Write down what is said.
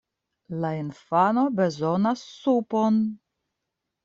La infano bezonas supon!